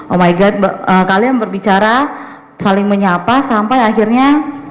oh my god kalian berbicara saling menyapa sampai akhirnya